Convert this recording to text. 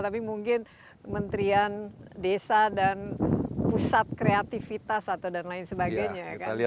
tapi mungkin kementerian desa dan pusat kreativitas atau dan lain sebagainya